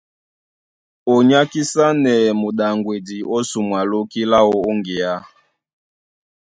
Ó nyákisanɛ muɗaŋgwedi ó sumwa lóki láō ó ŋgeá.